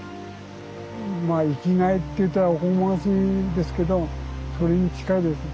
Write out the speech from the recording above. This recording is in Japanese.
まあ生きがいって言ったらおこがましいですけどそれに近いです。